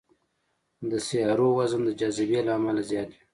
د سیارو وزن د جاذبې له امله زیات وي.